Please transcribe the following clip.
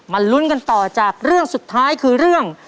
ลุ้นกันต่อจากเรื่องสุดท้ายคือเรื่อง